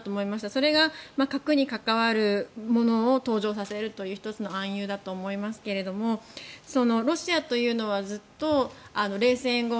それは核を関連したものを登場させるという１つの暗喩だと思いますがロシアというのはずっと冷戦後